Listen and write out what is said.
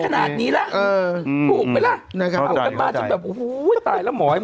ถูกตลาย